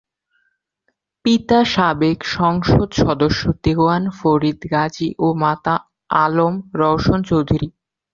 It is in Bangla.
পিতা সাবেক সংসদ সদস্য দেওয়ান ফরিদ গাজী ও মাতা আলম রওশন চৌধুরী।